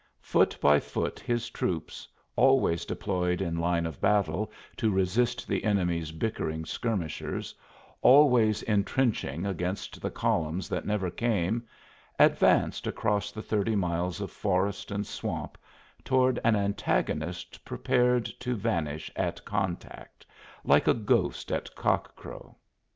Foot by foot his troops, always deployed in line of battle to resist the enemy's bickering skirmishers, always entrenching against the columns that never came, advanced across the thirty miles of forest and swamp toward an antagonist prepared to vanish at contact, like a ghost at cock crow.